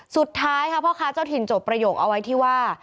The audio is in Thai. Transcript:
สุดท้ายค่ะพ่อค้าเจ้าถิ่นจบประโยคเอาไว้ที่ว่า